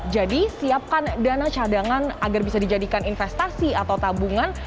jadi siapkan dana cadangan agar bisa dijadikan investasi atau tabungan